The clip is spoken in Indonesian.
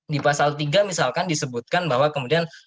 di pasal tiga misalkan disebutkan bahwa kemudian